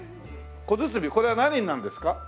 小鼓これは何になるんですか？